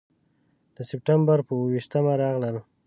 د سپټمبر پر اوه ویشتمه راغلل.